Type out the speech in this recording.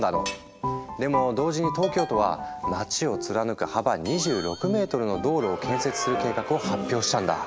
でも同時に東京都は街を貫く幅２６ｍの道路を建設する計画を発表したんだ。